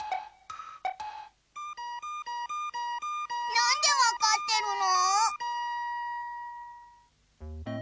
なんでわかってるの。